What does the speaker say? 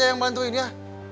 saya yang bantuin ya